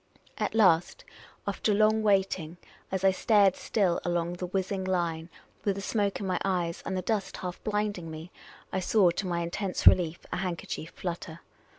At last, after long wait ing, as I stared still along the whizzing line, with the smoke in my eyes, and the dust half blinding me, I saw, to my intense relief, a handker chief flutter.